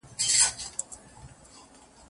پر ملا باندي وه ګرانه نازدانه وه